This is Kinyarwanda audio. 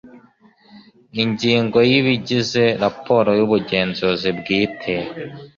Ingingo ya Ibigize raporo y ubugenzuzi bwite